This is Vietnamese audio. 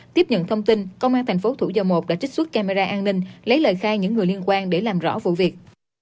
tiếp nhận thông tin công an thành phố thủ dầu một đã trích xuất camera an ninh lấy lời khai những người liên quan để làm rõ vụ việc